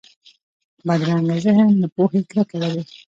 بدرنګه ذهن له پوهې کرکه لري